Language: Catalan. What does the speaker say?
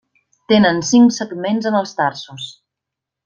Tenen cinc segments en els tarsos.